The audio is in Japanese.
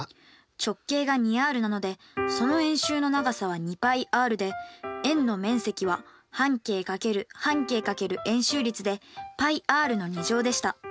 直径が２ｒなのでその円周の長さは２πｒで円の面積は半径×半径×円周率でπｒの２乗でした。